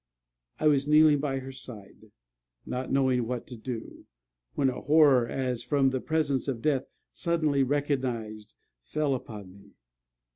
I was kneeling by her side, not knowing what to do, when a horror, as from the presence of death suddenly recognized, fell upon me.